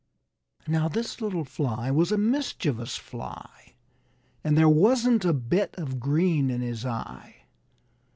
Now this little Fly was a mischievous Fly, And there wasn't a bit of green in his eye!